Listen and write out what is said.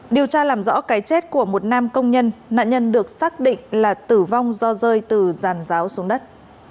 điều tra làm rõ cái chết của một nam công nhân nạn nhân được xác định là tử vong do rơi từ giàn giáo xuống đất